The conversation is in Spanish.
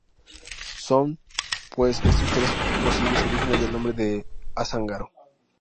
Son pues estos tres posibles orígenes del nombre de Azángaro.